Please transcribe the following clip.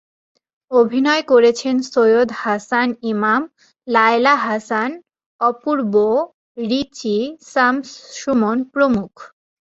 অভিনয় করেছেন সৈয়দ হাসান ইমাম, লায়লা হাসান, অপূর্ব, রিচি, শামস সুমন প্রমুখ।